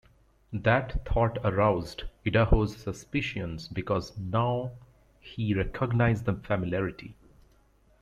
That thought aroused Idaho's suspicions because now he recognized the familiarity.